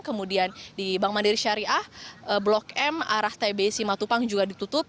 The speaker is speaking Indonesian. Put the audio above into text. kemudian di bank mandiri syariah blok m arah tb simatupang juga ditutup